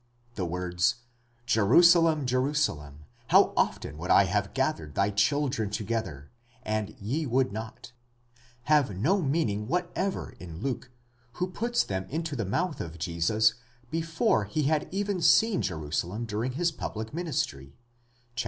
The words: Jerusalem, Jerusalem—how often would I have gathered thy children together—and ye would not, have no meaning whatever in Luke, who puts them into the mouth of Jesus before he had even seen Jeru salem during his public ministry (xiii.